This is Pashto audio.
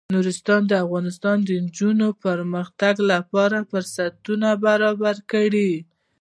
نورستان د افغان نجونو د پرمختګ لپاره فرصتونه برابروي.